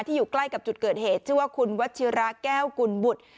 อยู่ใกล้กับจุดเกิดเหตุชื่อว่าคุณวัชิระแก้วกุลบุตร